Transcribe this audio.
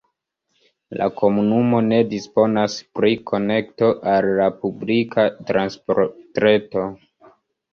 La komunumo ne disponas pri konekto al la publika transportreto.